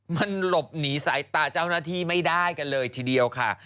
มันหลบหนีสายตาเจ้าหน้าที่ไม่ได้กันเลยทีเดียวค่ะ